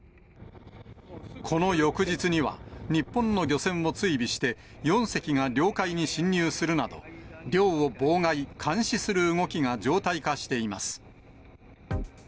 この翌日には、日本の漁船を追尾して、４隻が領海に侵入するなど、漁を妨害、監視する動きが常態化しています。